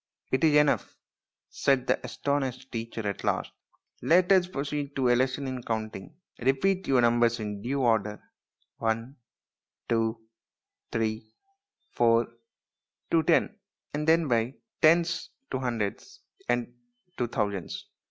" It is enough/' said the astonished teacher at last. " Let us proceed to a lesson in counting. Repeat your numbers in due order one, two, three, four, to ten, and then by tens to hundreds, and to thousands."